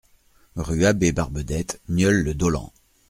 Rue Abbé Barbedette, Nieul-le-Dolent